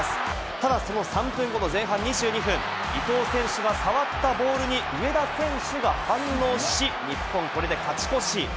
ただその３分後の前半２２分、伊東選手が触ったボールに上田選手が反応し、日本、これで勝ち越し。